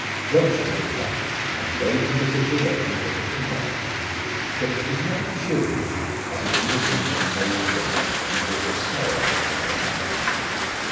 Rachel looked up, and bade the visitor welcome with a little nod; but it was not a cheery nod as it would have been in old days, before her sorrow had come upon her.